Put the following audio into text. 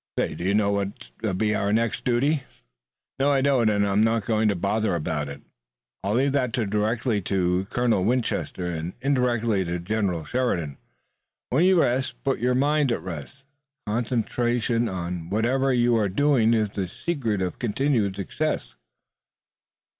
"Do you know what's to be our next duty?" "No, I don't, and I'm not going to bother about it. I'll leave that directly to Colonel Winchester, and indirectly to General Sheridan. When you rest, put your mind at rest. Concentration on whatever you are doing is the secret of continued success."